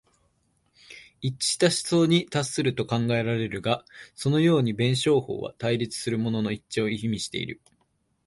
一致した思想に達すると考えられるが、そのように弁証法は対立するものの一致を意味している。